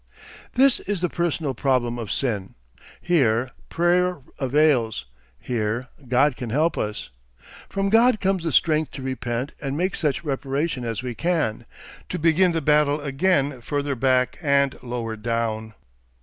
This is the personal problem of Sin. Here prayer avails; here God can help us. From God comes the strength to repent and make such reparation as we can, to begin the battle again further back and lower down.